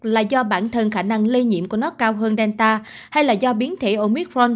là do bản thân khả năng lây nhiễm của nó cao hơn delta hay là do biến thể omicron